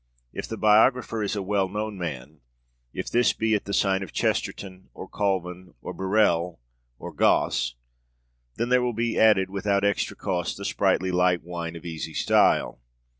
If the biographer is a well known man, if this be at the sign of Chesterton, or Colvin, or Birrell, or Gosse, then there will be added, without extra cost, the sprightly light wine of easy style.